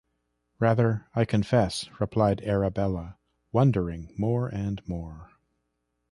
‘Rather, I confess,’ replied Arabella, wondering more and more.